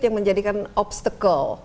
yang menjadikan obstacle